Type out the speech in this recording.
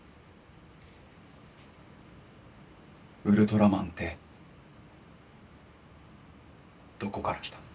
ウルトラマンってどこから来たの？